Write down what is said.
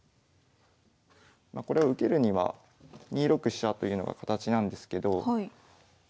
まあこれを受けるには２六飛車というのが形なんですけど。